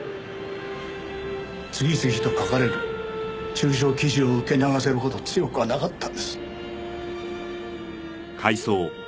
次々と書かれる中傷記事を受け流せるほど強くはなかったんです。